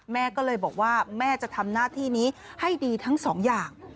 แม่ก็เลยบอกว่าแม่จะทำหน้าที่นี้ให้ดีทั้งสองอย่าง